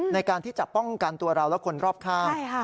ในการที่จะป้องกันตัวเราและคนรอบข้าง